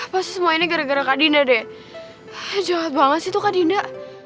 pasti semua ini gara gara kak dinda deh jauh banget itu kak dinda